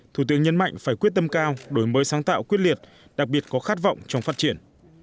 thủ tướng nhấn mạnh phải quyết tâm cao đổi mới sáng tạo quyết liệt đặc biệt có khát vọng trong phát triển